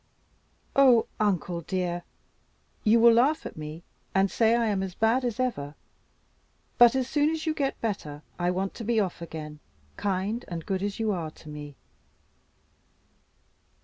"Oh, uncle dear! you will laugh at me, and say I am as bad as ever; but as soon as you get better I want to be off again, kind and good as you are to me."